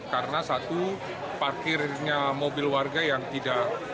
karena satu parkirnya mobil warga yang tidak